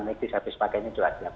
medis dan sebagainya juga siap